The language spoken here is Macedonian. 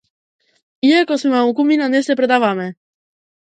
Иако сме малкумина не се предаваме.